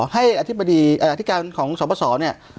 ให้อธิบดีอธิการของสปสเนี่ย